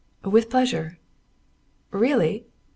"With pleasure." "Really?"